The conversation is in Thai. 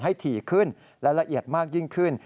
ถี่ขึ้นและละเอียดมากยิ่งขึ้น